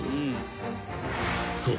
［そう。